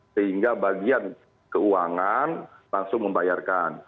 sehingga bagian keuangan langsung membayarkan